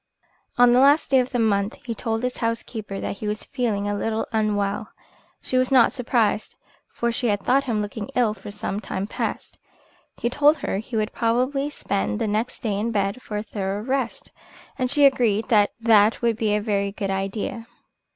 On the last day of the month he told his housekeeper that he was feeling a little unwell. She was not surprised, for she had thought him looking ill for some time past. He told her he would probably spend the next day in bed for a thorough rest, and she agreed that that would be a very good idea.